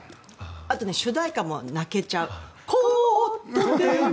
あと、主題歌も泣けちゃう。